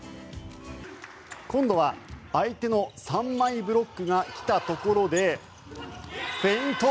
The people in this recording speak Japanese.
今度は相手の３枚ブロックが来たところでフェイント。